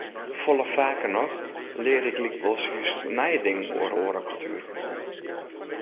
Folle faker noch lear ik lykwols just nije dingen oer oare kultueren.